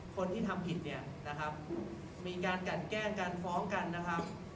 คนที่ทำผิดเนี่ยนะครับมีการกันแกล้งกันฟ้องกันนะครับ